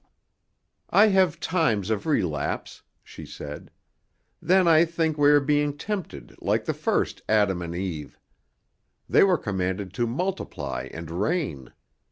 "I have times of relapse," she said. "Then I think we are being tempted like the first Adam and Eve. They were commanded to multiply and reign.